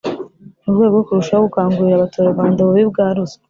Mu rwego rwo kurushaho gukangurira Abaturarwanda ububi bwa ruswa